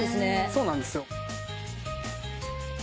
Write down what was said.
そうなんですよ。